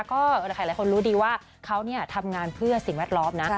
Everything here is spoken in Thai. ก็หลายคนรู้ดีว่าเขาทำงานเพื่อสิ่งแวดล้อมนะ